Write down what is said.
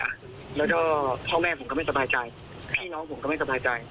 แล้วก็พ่อแม่ผมก็ไม่สบายใจพี่น้องผมก็ไม่สบายใจ